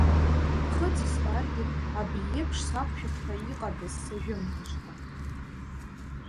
Ԥхыӡ избаргьы абри еиԥш сақәшәап ҳәа иҟадаз сажәымҭаҽха.